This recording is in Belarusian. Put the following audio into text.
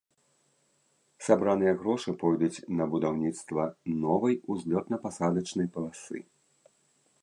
Сабраныя грошы пойдуць на будаўніцтва новай узлётна-пасадачнай паласы.